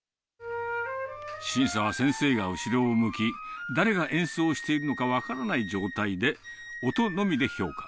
審査は先生が後ろを向き、誰が演奏しているのか分からない状態で、音のみで評価。